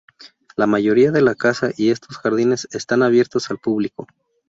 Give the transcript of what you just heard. La mayoría de la casa y estos jardines están abiertos al público.